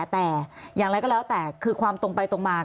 แต่อย่างไรก็แล้วแต่คือความตรงไปตรงมา